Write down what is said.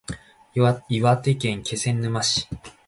岩手県気仙沼市